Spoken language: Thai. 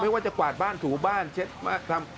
ว่าจะกวาดบ้านถูบ้านเช็ดทำ